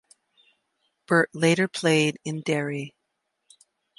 Burt later played in Derry.